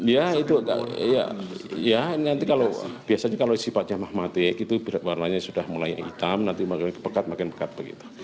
ya itu ya nanti kalau biasanya kalau sifatnya magmatik itu warnanya sudah mulai hitam nanti makin pekat makin pekat begitu